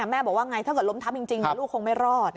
แม่บอกว่าไงถ้าเกิดล้มทับจริงลูกคงไม่รอด